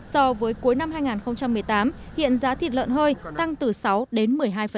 so với cuối năm hai nghìn một mươi tám hiện giá thịt lợn hơi tăng từ sáu đến một mươi hai